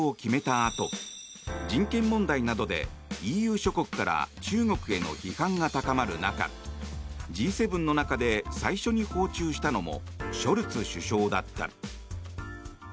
あと人権問題などでＥＵ諸国から中国への批判が高まる中Ｇ７の中で最初に訪中したのもショルツ首相だった。